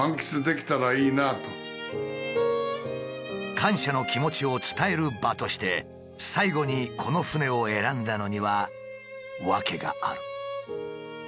感謝の気持ちを伝える場として最後にこの船を選んだのには訳がある。